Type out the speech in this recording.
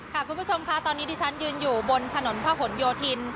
ค่ะคุณผู้ชมค่ะตอนนี้ชั้นยืนอยู่บนถนนภาวไหวโยธิน